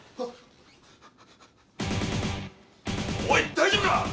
大丈夫か？